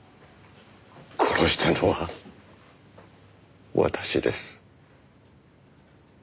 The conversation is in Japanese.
殺したのは私です。